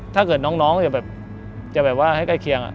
ถ้าเกิดน้องจะให้ใกล้เคียง